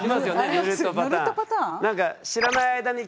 ぬるっとパターン？